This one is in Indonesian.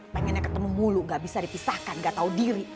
pengennya ketemu mulu gak bisa dipisahkan gak tau diri